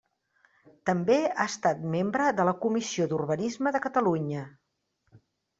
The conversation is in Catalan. També ha estat membre de la Comissió d'Urbanisme de Catalunya.